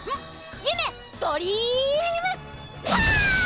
ゆめドリームパンチ！